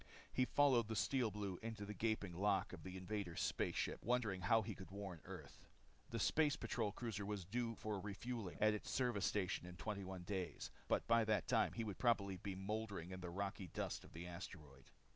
He followed the Steel Blue into the gaping lock of the invaders' space ship wondering how he could warn Earth. The Space Patrol cruiser was due in for refueling at his service station in 21 days. But by that time he probably would be mouldering in the rocky dust of the asteroid.